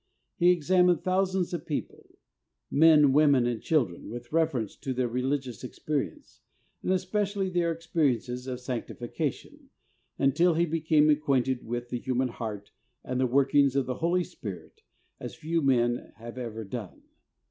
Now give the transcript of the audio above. He examined thousands of people — men, women and children, with reference to their religious experience, and especially their experiences of sanctification, until he became acquainted with the human heart and the workings of the Holy Spirit as few men have ever done.